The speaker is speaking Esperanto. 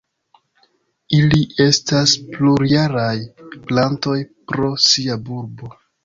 Ili estas plurjaraj plantoj pro sia bulbo.